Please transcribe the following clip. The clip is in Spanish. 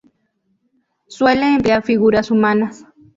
Suele emplear figuras humanas.